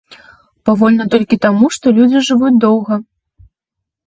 Павольна толькі таму, што людзі жывуць доўга.